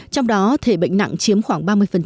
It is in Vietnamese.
trong đó thể bệnh nặng chiếm khoảng ba mươi